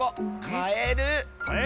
カエル？